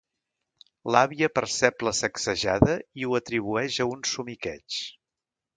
L'àvia percep la sacsejada i ho atribueix a un somiqueig.